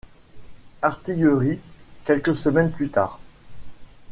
Artillery quelques semaines plus tard.